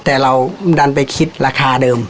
แต่เราดันไปคิดราคาเดิม